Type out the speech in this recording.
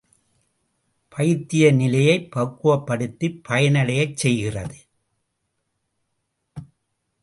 பைத்திய நிலையைப் பக்குவப்படுத்திப் பயனடையச் செய்கிறது.